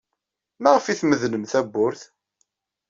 Maɣef ay tmedlem tawwurt?